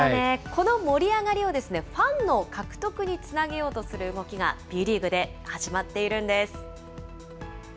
この盛り上がりをファンの獲得につなげようとする動きが、Ｂリーグで始まっているんです。